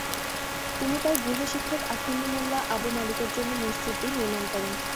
তিনি তার গৃহশিক্ষক আখন্দ মোল্লা আবুল মালিকের জন্য মসজিদটি নির্মাণ করেন।